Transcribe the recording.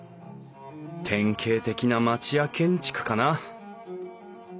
典型的な町家建築かな